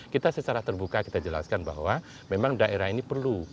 kita secara terbuka kita jelaskan bahwa memang daerah ini perlu